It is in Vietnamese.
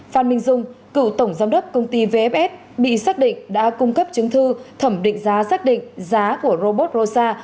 phan minh dung cựu tổng giám đốc công ty vfs bị xác định đã cung cấp chứng thư thẩm định giá xác định giá của robot rosa